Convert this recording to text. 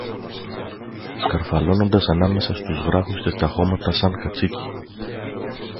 σκαρφαλώνοντας ανάμεσα στους βράχους και στα χώματα σαν κατσίκι.